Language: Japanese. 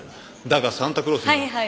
だがサンタクロースは。